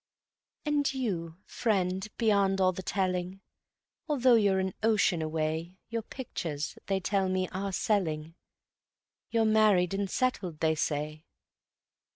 And you, Friend beyond all the telling, Although you're an ocean away, Your pictures, they tell me, are selling, You're married and settled, they say.